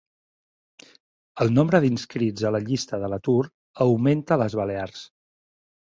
El nombre d'inscrits a la llista de l'atur augmenta a les Balears